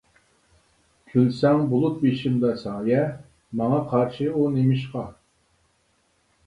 كۈلسەڭ بۇلۇت بېشىمدا سايە، ماڭا قارشى ئۇ نېمىشقا!